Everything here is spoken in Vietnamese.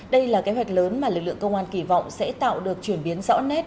đây là kế hoạch lớn mà lực lượng công an kỳ vọng sẽ tạo được chuyển biến rõ nét